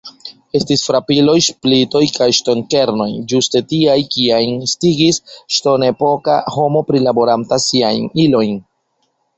Estis frapiloj, splitoj kaj ŝtonkernoj, ĝuste tiaj, kiajn estigis ŝtonepoka homo prilaboranta siajn ilojn.